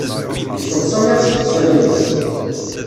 Yessaḍsay-aɣ s teqsiḍin-is.